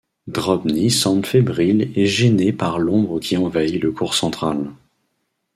Drobny semble fébrile et gêné par l'ombre qui envahit le court central.